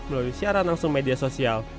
melalui siaran langsung media sosial